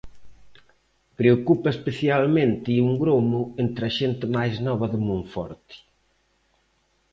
Preocupa especialmente un gromo entre a xente máis nova de Monforte.